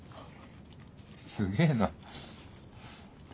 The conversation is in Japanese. すげえな。